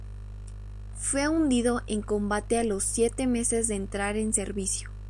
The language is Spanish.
Fue hundido en combate a los siete meses de entrar en servicio.